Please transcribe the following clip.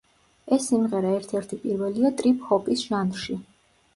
ეს სიმღერა ერთ-ერთი პირველია ტრიპ-ჰოპის ჟანრში.